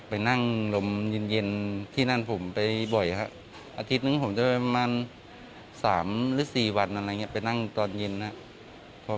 ไปนั่งลมเย็นที่นั่นผมไปบ่อยครับอาทิตย์นึงผมจะไปประมาณ๓๔วันไปนั่งตอนเย็นครับ